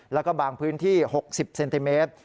แล้วก็บางพื้นที่๖๐เซนติเมตร